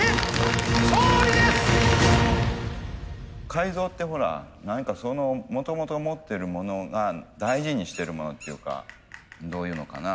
改造ってほら何かそのもともと持ってるものが大事にしてるものっていうかどういうのかな。